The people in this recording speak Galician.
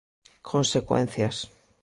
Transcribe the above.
Consecuencias.